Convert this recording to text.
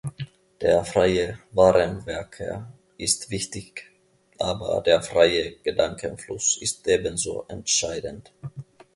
Der freie Warenverkehr ist wichtig, aber der freie Gedankenfluss ist ebenso entscheidend.